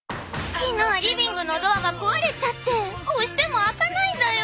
昨日リビングのドアが壊れちゃって押しても開かないんだよ。